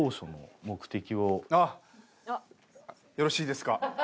あっよろしいですか？